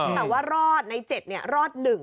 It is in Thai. แต่ว่ารอดใน๗เนี่ยรอด๑